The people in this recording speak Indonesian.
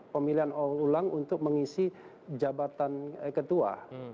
pemilihan ulang untuk mengisi jabatan ketua